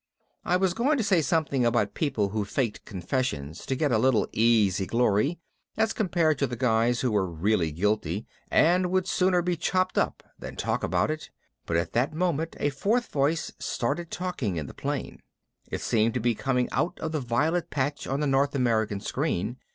I was going to say something about people who faked confessions to get a little easy glory, as compared to the guys who were really guilty and would sooner be chopped up than talk about it, but at that moment a fourth voice started talking in the plane. It seemed to be coming out of the violet patch on the North America screen.